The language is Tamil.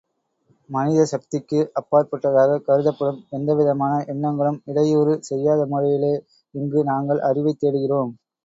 மனித சக்திக்கு அப்பாற்பட்டதாகக் கருதப்படும் எந்த விதமான எண்ணங்களும் இடையூறு செய்யாத முறையிலே இங்கு நாங்கள் அறிவைத் தேடுகிறோம்.